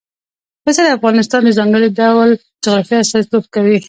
پسه د افغانستان د ځانګړي ډول جغرافیه استازیتوب کوي.